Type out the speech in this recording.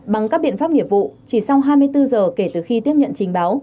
bằng các biện pháp nghiệp vụ chỉ sau hai mươi bốn giờ kể từ khi tiếp nhận trình báo